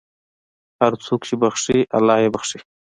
هر څوک چې بښي، الله یې بښي.